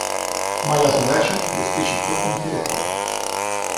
Моя задача – обеспечить плавный переход.